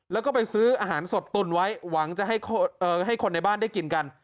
แล้วก็ไปซื้ออาหารสดตุ่นไว้หวังจะให้คนในบ้านได้กินกัน